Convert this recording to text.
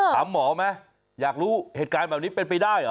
ถามหมอไหมอยากรู้เหตุการณ์แบบนี้เป็นไปได้เหรอ